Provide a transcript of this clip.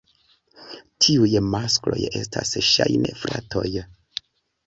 Tiuj maskloj estas ŝajne fratoj.